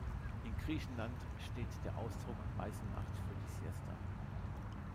In Griechenland steht der Ausdruck „Weiße Nacht“ für die Siesta.